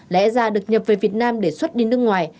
lẽ ra được nhập về việt nam để xuất đi nước ngoài